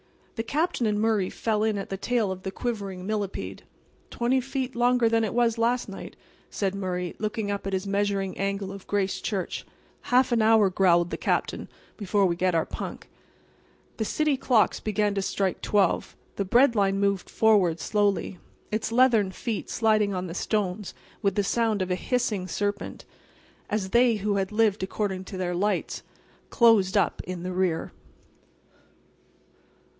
The Captain and Murray fell in at the tail of the quivering millipede. "Twenty feet longer than it was last night," said Murray, looking up at his measuring angle of Grace Church. "Half an hour," growled the Captain, "before we get our punk." The city clocks began to strike 12; the Bread Line moved forward slowly, its leathern feet sliding on the stones with the sound of a hissing serpent, as they who had lived according to their lights closed up in the rear.